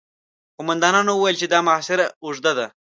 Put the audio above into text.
قوماندانانو وويل چې دا محاصره اوږده ده.